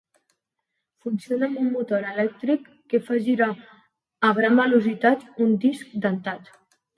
Funciona amb un motor elèctric que fa girar a gran velocitat un disc dentat.